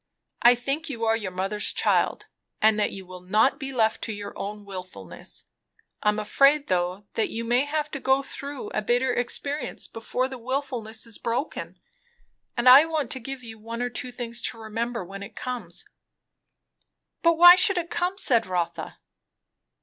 I think you are your mother's child, and that you will not be left to your own wilfulness. I am afraid, though, that you may have to go through a bitter experience before the wilfulness is broken; and I want to give you one or two things to remember when it comes." "But why should it come?" said Rotha.